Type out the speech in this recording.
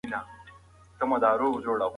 هغې د جګړې درد لیکلی دی.